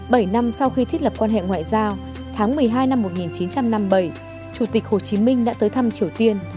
bảy năm sau khi thiết lập quan hệ ngoại giao tháng một mươi hai năm một nghìn chín trăm năm mươi bảy chủ tịch hồ chí minh đã tới thăm triều tiên